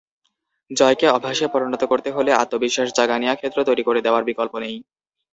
জয়কে অভ্যাসে পরিণত করতে হলে আত্মবিশ্বাসজাগানিয়া ক্ষেত্র তৈরি করে দেওয়ার বিকল্প নেই।